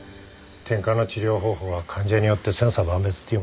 てんかんの治療方法は患者によって千差万別っていうもんな。